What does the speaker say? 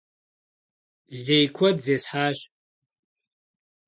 Лей куэд зесхьащ.